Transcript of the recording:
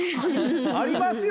ありますよ。